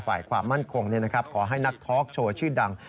ฝ่ายความมั่นคงขอให้นักทอล์กโชว์ชื่อดัง